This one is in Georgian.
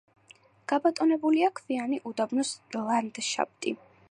გაბატონებულია ქვიანი უდაბნოს ლანდშაფტი.